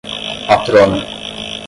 patrona